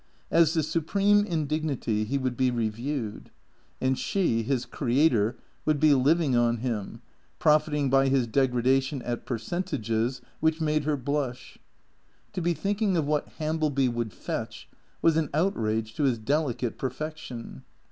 As the supreme indignity, he would be reviewed. And she, his creator, would be living on him, profiting by his degradation at percen tages which made her blush. To be thinking of what Hambleby would " fetch " was an outrage to his delicate perfection.